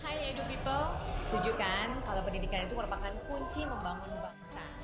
hai edu people setujukan kalau pendidikan itu merupakan kunci membangun bangsa